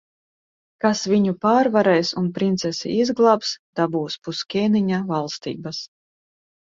Kas viņu pārvarēs un princesi izglābs, dabūs pus ķēniņa valstības.